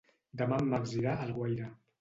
Demà en Max irà a Alguaire.